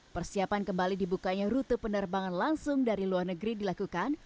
persiapan kembali dibukanya rute penerbangan langsung dari luar negeri dilakukan